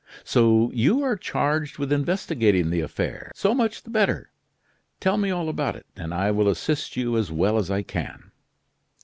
So you are charged with investigating the affair? So much the better. Tell me all about it, and I will assist you as well as I can."